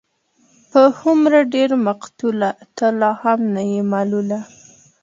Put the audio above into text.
په هومره ډېر مقتوله، ته لا هم نه يې ملوله